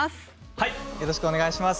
よろしくお願いします。